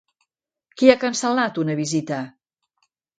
Qui ha cancel·lat una visita?